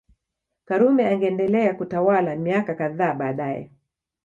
Karume angeendelea kutawala miaka kadhaa baadae